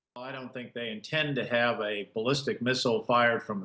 saya tidak menganggap ini sebuah kegagalan